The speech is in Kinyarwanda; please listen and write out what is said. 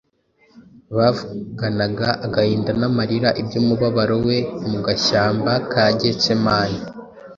Bavuganaga agahinda n’amarira iby’umubabaro we mu gashyamba ka Gitsemane,